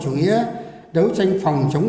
chủ nghĩa đấu tranh phòng chống